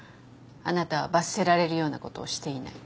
あなたは罰せられるようなことをしていない。